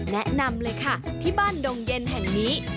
แนะนำเลยค่ะที่บ้านดงเย็นแห่งนี้